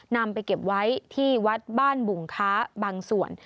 นำไปเก็บไว้ที่วัดบ้านบุงค้าบางส่วน